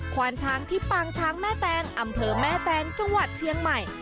วานช้างที่ปางช้างแม่แตงอำเภอแม่แตงจังหวัดเชียงใหม่